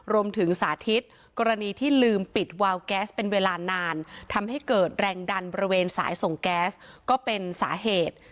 สาธิตกรณีที่ลืมปิดวาวแก๊สเป็นเวลานานทำให้เกิดแรงดันบริเวณสายส่งแก๊สก็เป็นสาเหตุ